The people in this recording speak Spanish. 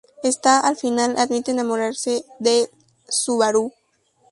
Está al final admite enamorarse de Subaru.